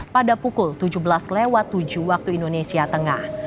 pada pukul tujuh belas tujuh waktu indonesia tengah